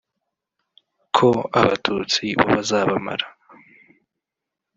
ko abatutsi bo bazabamara